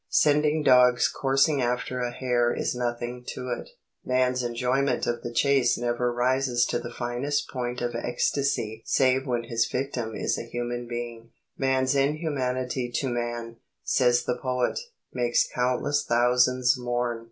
Sending dogs coursing after a hare is nothing to it. Man's enjoyment of the chase never rises to the finest point of ecstasy save when his victim is a human being. Man's inhumanity to man, says the poet, makes countless thousands mourn.